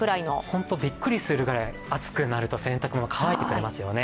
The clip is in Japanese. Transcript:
本当びっくりするぐらい暑くなると洗濯物が乾いてくれますよね。